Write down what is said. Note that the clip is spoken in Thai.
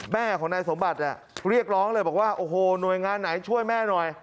แม่ของนายสมบัติเรียกร้องเลยบอกว่าโอ้โหหน่วยงานไหนช่วยแม่หน่อย